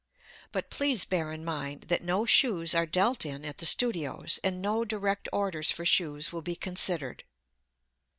But please bear in mind that no shoes are dealt in at the studios and no direct orders for shoes will be considered.